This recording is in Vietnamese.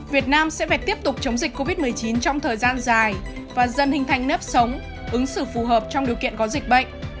việt nam sẽ phải tiếp tục chống dịch covid một mươi chín trong thời gian dài và dần hình thành nếp sống ứng xử phù hợp trong điều kiện có dịch bệnh